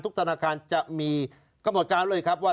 ทุกธนาคารจะมีกรรมการเลยครับว่า